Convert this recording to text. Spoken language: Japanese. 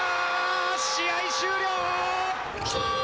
試合終了！